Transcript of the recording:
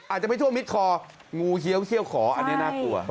อาจจะไม่ท่วมมิดคองูเฮี้ยวเขี้ยวขออันนี้น่ากลัว